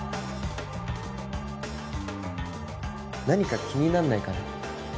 何か気になんないかな？